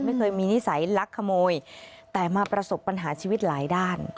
ไม่เคยมีนิสัยลักขโมยแต่มาประสบปัญหาชีวิตหลายด้าน